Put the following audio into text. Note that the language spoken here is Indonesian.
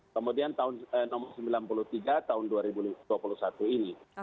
kemudian nomor sembilan puluh tiga tahun dua ribu dua puluh satu ini